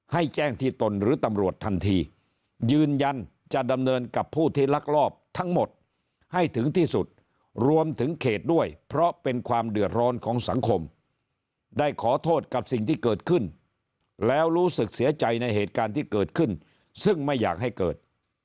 ให้แจ้งที่ตนหรือตำรวจทันทียืนยันจะดำเนินกับผู้ที่ลักลอบทั้งหมดให้ถึงที่สุดรวมถึงเขตด้วยเพราะเป็นความเดือดร้อนของสังคมได้ขอโทษกับสิ่งที่เกิดขึ้นแล้วรู้สึกเสียใจในเหตุการณ์ที่เกิดขึ้นซึ่งไม่อยากให้เกิด